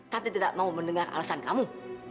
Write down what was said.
kami tidak mau mendengar alasan kamu